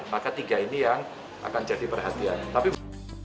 maka tiga ini yang akan jadi perhatian